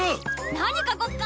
何描こっか？